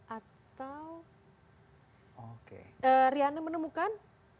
atau riana menemukan